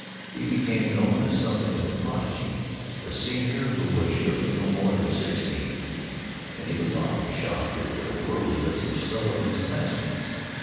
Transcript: He became known as something of a prodigy a senior who was surely no more than sixteen and he was often shocked at the worldliness of some of his classmates.